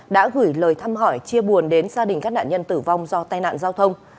đã gửi lời thăm hỏi chia buồn đến gia đình các nạn nhân tử vong do tai nạn giao thông